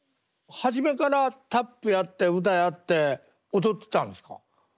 初めからタップやって歌やって踊ってたんですか？